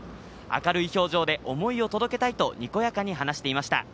明るい表情で思いを届けたいとにこやかに話していました。